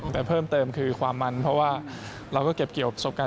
แต่เพิ่มเติมคือความมันเพราะว่าเราก็เก็บเกี่ยวประสบการณ์